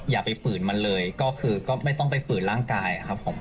อย่าไปฝืนมันเลยก็คือก็ไม่ต้องไปฝืนร่างกายครับผม